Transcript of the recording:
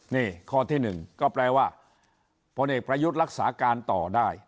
นี่ข้อที่๑ก็แปลว่าพลเอกประยุทธ์รักษาการต่อได้